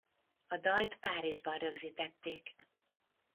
A dalt Párizsban rögzítették.